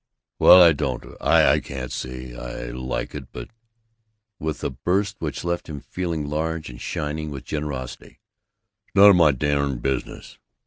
"Well, I don't I can't say I like it, but " With a burst which left him feeling large and shining with generosity, "it's none of my darn business!